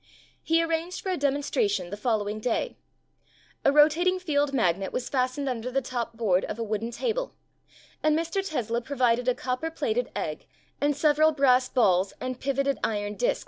He arranged for a demonstration the following day. A rotating field magnet was fastened under the top board of a wooden table and Mr. Tesla provided a cop per plated egg and several brass balls and pivoted iron discs vincing his prospective Fig.